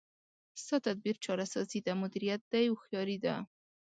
ستا تدبیر چاره سازي ده، مدیریت دی هوښیاري ده